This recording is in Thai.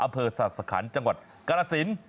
อเภอศาสตร์สะขันจังหวัดกรสิน